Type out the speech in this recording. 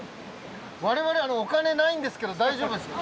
我々お金ないんですけど大丈夫ですか？